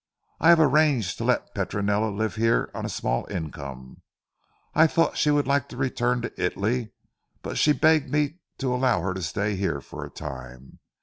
I have arranged to let Petronella live here, on a small income. I thought she would like to return to Italy, but she begged me to allow her to stay here for a time.